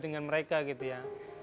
dengan mereka gitu ya